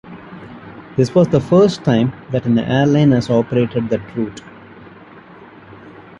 This was the first time that an airline has operated that route.